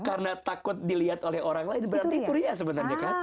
karena takut dilihat oleh orang lain berarti itu ria sebenarnya kan